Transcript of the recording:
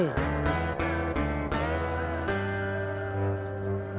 yang di ciaur mah sudah selesai